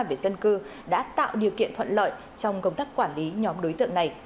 về dân cư đã tạo điều kiện thuận lợi trong công tác quản lý nhóm đối tượng này